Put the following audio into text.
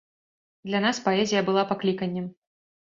Для нас паэзія была пакліканнем.